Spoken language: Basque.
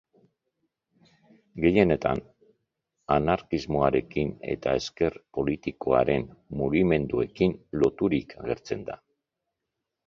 Gehienetan, anarkismoarekin eta ezker politikoaren mugimenduekin loturik agertzen da.